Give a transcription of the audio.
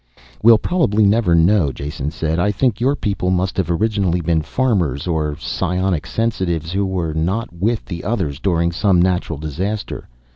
"We'll probably never know," Jason said. "I think your people must have originally been farmers, or psionic sensitives who were not with the others during some natural disaster.